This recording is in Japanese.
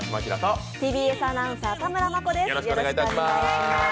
ＴＢＳアナウンサー田村真子です。